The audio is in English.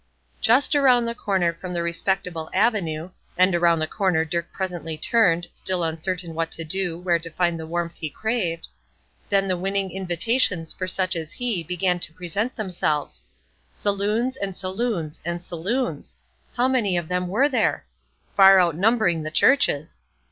Just around the corner from the respectable avenue (and around the corner Dirk presently turned, still uncertain what to do, where to find the warmth he craved) then the winning invitations for such as he began to present themselves. Saloons, and saloons, and saloons! How many of them were there? Far outnumbering the churches!